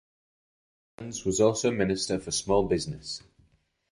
Evans was also Minister for Small Business.